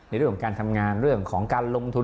เรื่องของการทำงานเรื่องของการลงทุน